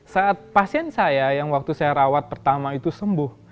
saat pasien saya yang waktu saya rawat pertama itu sembuh